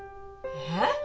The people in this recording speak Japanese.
えっ？